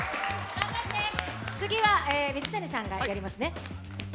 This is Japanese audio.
次は水谷さんがやりますね。